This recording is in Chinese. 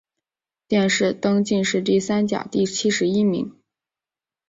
殿试登进士第三甲第七十一名。